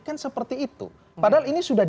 kan seperti itu padahal ini sudah